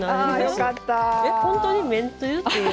えっ本当にめんつゆ？っていう。